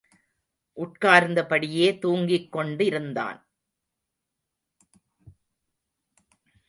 உட்கார்ந்தபடியே தூங்கிக் கொண்டிருந்தான்.